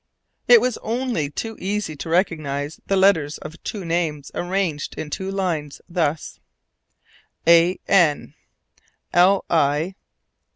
It was only too easy to recognize the letters of two names, arranged in two lines, thus: AN LI.